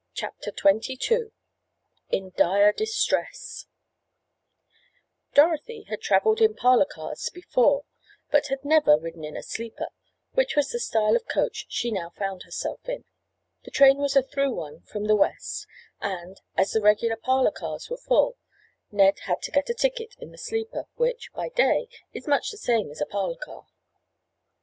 CHAPTER XXII IN DIRE DISTRESS Dorothy had traveled in parlor cars before but had never ridden in a sleeper, which was the style of coach she now found herself in. The train was a through one from the west and, as the regular parlor cars were full Ned had to get a ticket in the sleeper which, by day, is much the same as a parlor car.